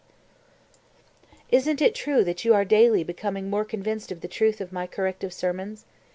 "Isn't it true that you are daily becoming more convinced of the truth of my corrective sermons?